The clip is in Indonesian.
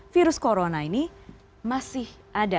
virus corona ini masih ada